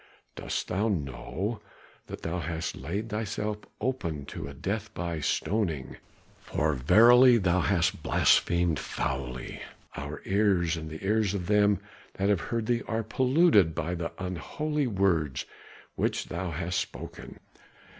Dost thou know that thou hast laid thyself open to a death by stoning? For verily thou hast blasphemed foully; our ears and the ears of them that have heard thee are polluted by the unholy words which thou hast spoken.